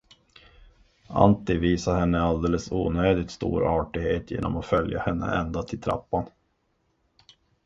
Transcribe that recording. Antti visade henne alldeles onödigt stor artighet genom att följa henne ända till trappan.